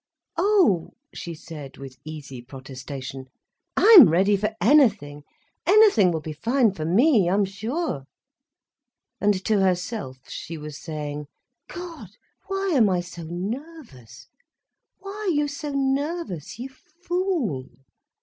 "Oh," she said, with easy protestation, "I'm ready for anything—anything will be fine for me, I'm sure." And to herself she was saying: "God, why am I so nervous—why are you so nervous, you fool.